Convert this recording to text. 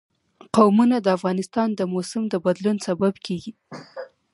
قومونه د افغانستان د موسم د بدلون سبب کېږي.